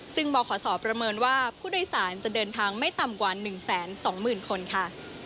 ซึ่งบขศประเมินว่าผู้โดยสารจะเดินทางไม่ต่ำกว่า๑๒๐๐๐คนค่ะ